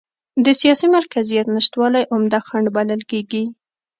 د سیاسي مرکزیت نشتوالی عمده خنډ بلل کېږي.